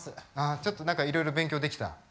ちょっといろいろ勉強できた？